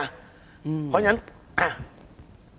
เพราะฉะนั้นอะตีมบัน